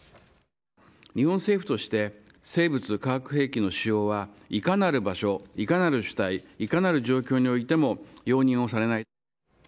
日本政府として、生物化学兵器の使用は、いかなる場所、いかなる主体、いかなる状況においても、容認をされない。